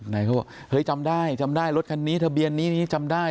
เขาบอกเฮ้ยจำได้จำได้รถคันนี้ทะเบียนนี้นี้จำได้